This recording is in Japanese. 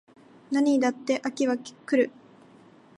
何にだって飽きは来る